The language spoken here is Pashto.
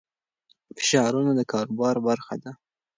فشارونه د کاروبار برخه ده.